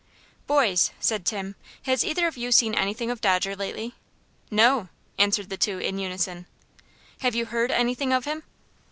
"Boys," said Tim, "has either of you seen anything of Dodger lately?" "No," answered the two in unison. "Have you heard anything of him?"